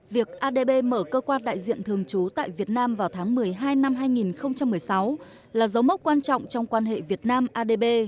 việc adb mở cơ quan đại diện thường trú tại việt nam vào tháng một mươi hai năm hai nghìn một mươi sáu là dấu mốc quan trọng trong quan hệ việt nam adb